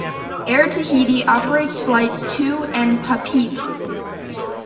Air Tahiti operates flights to and Papeete.